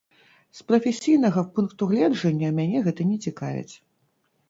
З прафесійнага пункту гледжання мяне гэта не цікавіць.